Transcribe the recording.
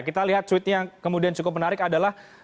kita lihat tweetnya yang kemudian cukup menarik adalah